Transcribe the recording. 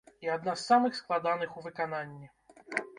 І адна з самых складаных у выкананні.